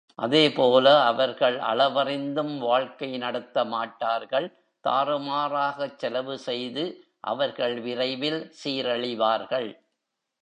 அதே போல அவர்கள் அளவறிந்தும் வாழ்க்கை நடத்தமாட்டார்கள் தாறுமாறாகச் செலவுசெய்து அவர்கள் விரைவில் சீரழிவார்கள்.